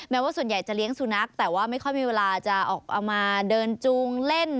ว่าส่วนใหญ่จะเลี้ยงสุนัขแต่ว่าไม่ค่อยมีเวลาจะออกมาเดินจูงเล่น